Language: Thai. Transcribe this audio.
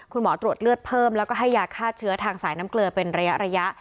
คุณหมอตรวจเลือดเพิ่มแล้วก็ให้ยาฆ่าเชื้อทางสายน้ำเกลือเป็นระยะ